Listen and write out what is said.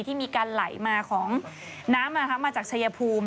ที่มีการไหลมาของน้ำมาจากชายภูมิ